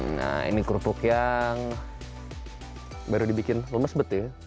nah ini kerupuk yang baru dibikin lemes bet ya